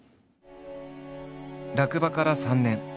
落馬から３年。